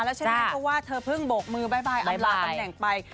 และฉะนั้นก็ว่าเธอเพิ่งบกมือบ๊ายบายอำลาตำแหน่งไป